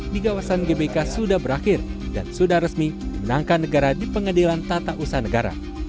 di kawasan gbk sudah berakhir dan sudah resmi menangkan negara di pengadilan tata usaha negara